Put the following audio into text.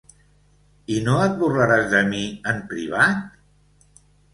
I no et burlaràs de mi en privat?